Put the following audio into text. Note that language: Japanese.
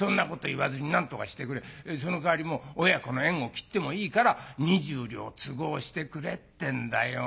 そのかわりもう親子の縁を切ってもいいから２０両都合してくれってんだよ。